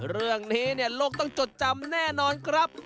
เรื่องนี้เนี่ยโลกต้องจดจำแน่นอนครับ